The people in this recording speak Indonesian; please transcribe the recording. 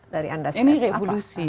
dari anda sendiri ini revolusi